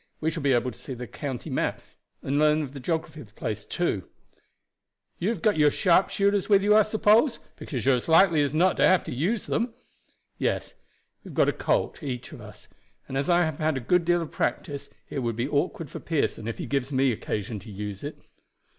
"We shall be able to see the county map too and to learn all the geography of the place." "You have got your six shooters with you, I suppose, because you are as likely as not to have to use them?" "Yes, we have each got a Colt; and as I have had a good deal of practice, it would be awkward for Pearson if he gives me occasion to use it."